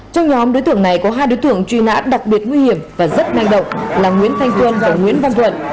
trong nhóm đối tượng này có hai đối tượng truy nãn đặc biệt nguy hiểm và rất năng động là nguyễn thanh tuân và nguyễn văn thuận